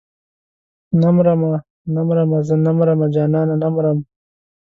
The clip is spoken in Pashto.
نه مرمه نه مرمه زه نه مرمه جانانه نه مرم.